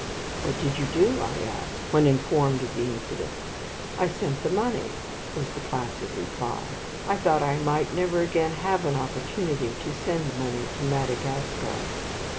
"What did you do?" I asked, when informed of the incident. "I sent the money," was the placid reply. "I thought I might never again have an opportunity to send money to Madagascar."